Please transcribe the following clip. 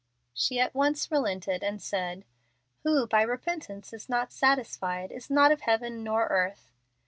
She at once relented, and said: "'Who by repentance is not satisfied Is not of heaven nor earth.'